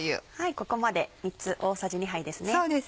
ここまで３つ大さじ２杯ですね。